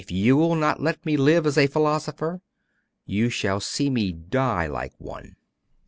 If you will not let me live as a philosopher, you shall see me die like one!